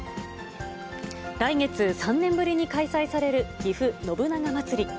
来月、３年ぶりに開催される、ぎふ信長まつり。